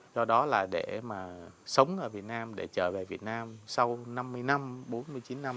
do đó là để mà sống ở việt nam để trở về việt nam sau năm mươi năm bốn mươi chín năm